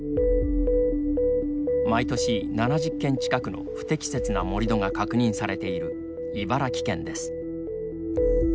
毎年７０件近くの不適切な盛り土が確認されている茨城県です。